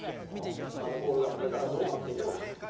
このサラダボウルがこれからどうなっていくのか。